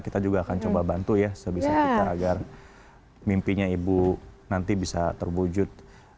dan coba bantu ya sebisa kita agar mimpinya ibu nanti bisa terwujud